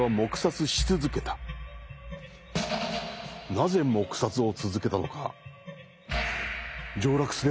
なぜ黙殺を続けたのか。